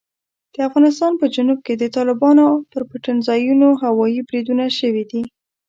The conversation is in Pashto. د افغانستان په جنوب کې د طالبانو پر پټنځایونو هوايي بریدونه شوي دي.